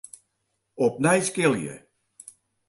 Opnij skilje.